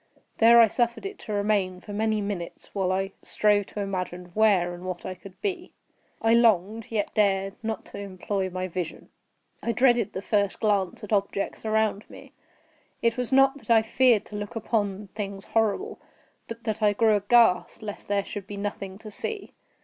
There I suffered it to remain for many minutes, while I strove to imagine where and what I could be. I longed, yet dared not to employ my vision. I dreaded the first glance at objects around me. It was not that I feared to look upon things horrible, but that I grew aghast lest there should be nothing to see.